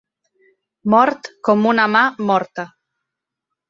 Mort com una mà morta.